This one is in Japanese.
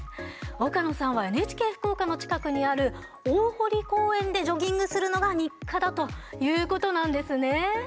岡野さんはＮＨＫ福岡の近くにある大濠公園でジョギングするのが日課だということなんですね。